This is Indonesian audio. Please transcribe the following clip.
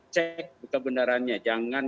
cek kebenarannya jangan